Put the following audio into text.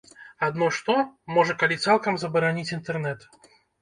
Адно што, можа, калі цалкам забараніць інтэрнэт.